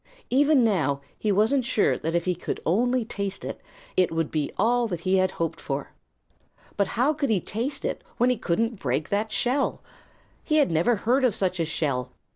Even now he wasn't sure that if he could only taste it, it would be all that he had hoped. But how could he taste it, when he couldn't break that shell? He never had heard of such a shell.